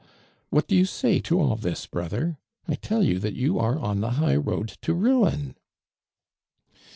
What do you say to all this, b' other? I tell you that you arc on the high road to ruin."